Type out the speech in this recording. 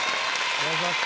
お願いします。